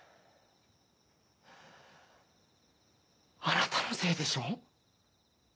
あなたのせいでしょう。